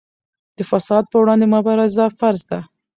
د فساد پر وړاندې مبارزه فرض ده.